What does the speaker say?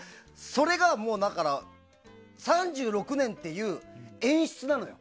それがだから３６年っていう演出なのよ。